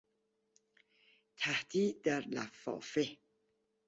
تهدید در لفافه